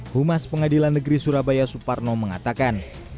humas pengadilan negeri surabaya suparno mengatakan